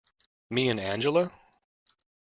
Me and Angela?